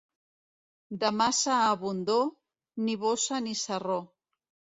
De massa abundor, ni bossa ni sarró.